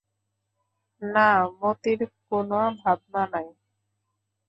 না, মতির কোনো ভাবনা নাই।